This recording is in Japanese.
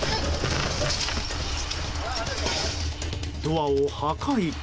ドアを破壊。